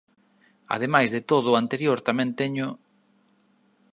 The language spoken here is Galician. Ademais de todo o anterior, tamén teño: